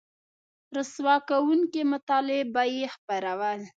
رسوا کوونکي مطالب به یې خپرول